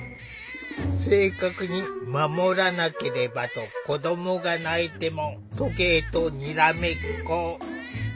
正確に守らなければと子どもが泣いても時計とにらめっこ。